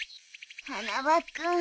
花輪君。